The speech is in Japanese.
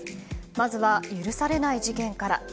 まずは許されない事件から。